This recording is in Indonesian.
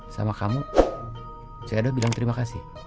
sama kamu c e doh bilang terima kasih